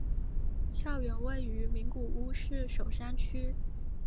校园位于名古屋市守山区。